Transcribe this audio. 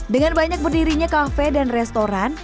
dengan banyak berdirinya kafe dan restoran